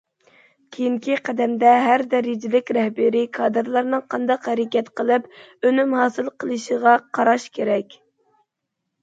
كېيىنكى قەدەمدە ھەر دەرىجىلىك رەھبىرىي كادىرلارنىڭ قانداق ھەرىكەت قىلىپ، ئۈنۈم ھاسىل قىلىشىغا قاراش كېرەك.